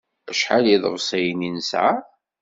Acḥal n iḍefsiyen i nesɛa?